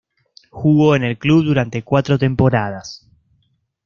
Jugó en el club durante cuatro temporadas.